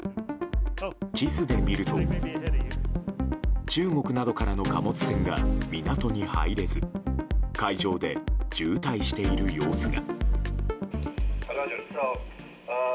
地図で見ると中国などからの貨物船が港に入れず海上で渋滞している様子が。